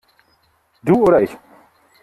Du oder ich?